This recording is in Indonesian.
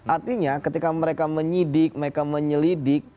artinya ketika mereka menyidik mereka menyelidik